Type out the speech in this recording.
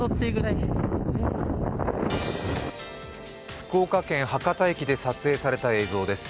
福岡県・博多駅で撮影された映像です。